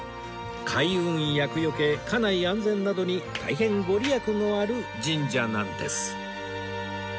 開運厄よけ家内安全などに大変ご利益のある神社なんです